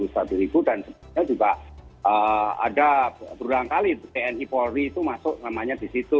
dan sebenarnya juga ada berulang kali tni polri itu masuk namanya di situ